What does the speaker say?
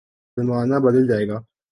زمانہ بدل جائے گا۔